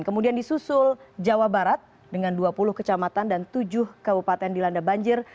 kemudian di susul jawa barat dengan dua puluh kecamatan dan tujuh kabupaten dilanda banjir